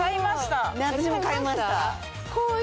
私も買いました。